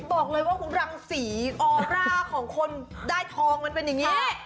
บอกเลยว่ารังสีออร่าของคนได้ทองมันเป็นอย่างนี้